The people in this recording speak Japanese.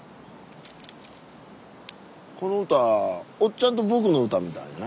この歌おっちゃんとボクの歌みたいやな。